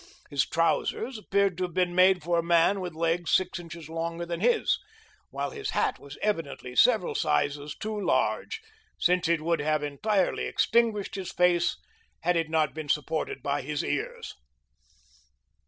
His trousers appeared to have been made for a man with legs six inches longer than his, while his hat was evidently several sizes too large, since it would have entirely extinguished his face had it not been supported by his ears.